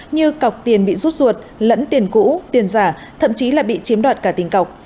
như cọc tiền bị rút ruột lẫn tiền cũ tiền giả thậm chí là bị chiếm đoạt cả tiền cọc